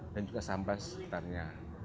dan juga sambas sekitarnya